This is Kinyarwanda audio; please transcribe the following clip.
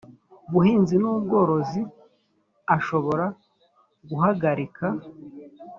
buhinzi n ubworozi ashobora guhagarika